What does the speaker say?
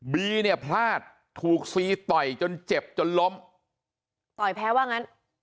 ีเนี่ยพลาดถูกซีต่อยจนเจ็บจนล้มต่อยแพ้ว่างั้น